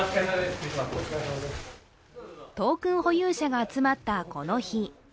トークン保有者が集まったこの日。